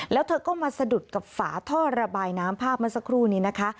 แล้วเธอก็มาสะดุดกับฝาท่อระบายน้ำภาพเมื่อสักครู่นี้นะคะ